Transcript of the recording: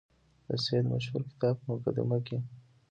د سید مشهور کتاب په مقدمه کې.